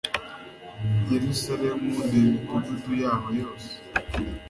yerusalemu n imidugudu yaho yose